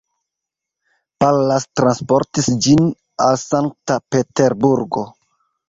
Pallas transportis ĝin al Sankta-Peterburgo.